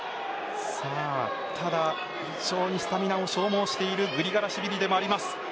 ただ、非常にスタミナを消耗しているグリガラシビリでもあります。